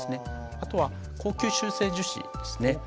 あとは高吸収性樹脂ですね。